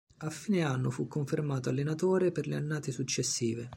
A fine anno fu confermato allenatore per le annate successive.